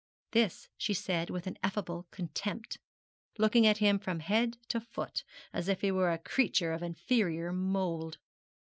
this she said with ineffable contempt, looking at him from head to foot, as if he were a creature of inferior mould.